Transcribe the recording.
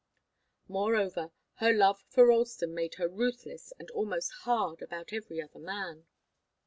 Moreover, her love for Ralston made her ruthless and almost hard about every other man.